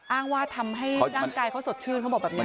อ้างว่าทำให้ร่างกายเขาสดชื่นเขาบอกแบบนี้